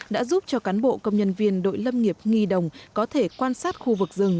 đã giúp cho cán bộ công nhân viên đội lâm nghiệp nghi đồng có thể quan sát khu vực rừng